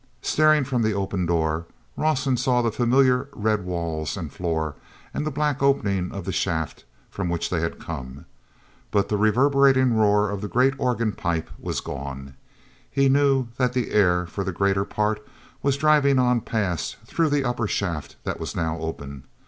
Staring from the open door, Rawson saw the same familiar red walls and floor and the black opening of the shaft from which they had come. But the reverberating roar of the great organ pipe was gone. He knew that the air, for the greater part, was driving on past through the upper shaft that was now open.